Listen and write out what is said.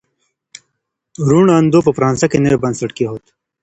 روڼ اندو په فرانسه کي نوی بنسټ کیښود.